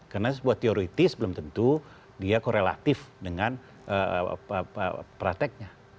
karena sebuah teoritis belum tentu dia korelatif dengan prakteknya